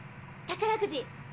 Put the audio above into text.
宝くじ。